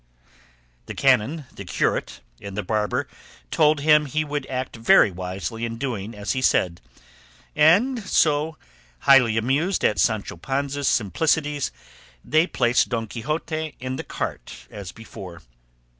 The canon, the curate, and the barber told him he would act very wisely in doing as he said; and so, highly amused at Sancho Panza's simplicities, they placed Don Quixote in the cart as before.